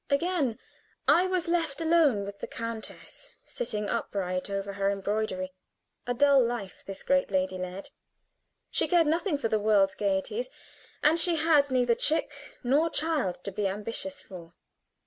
Again I was left alone with the countess, sitting upright over her embroidery. A dull life this great lady led. She cared nothing for the world's gayeties, and she had neither chick nor child to be ambitious for.